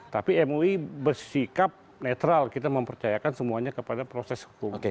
tapi mui bersikap netral kita mempercayakan semuanya kepada proses hukum